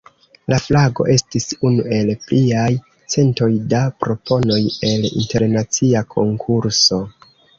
La flago estis unu el pliaj centoj da proponoj el internacia konkurso.